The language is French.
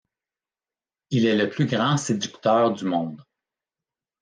Il est le plus grand séducteur du monde.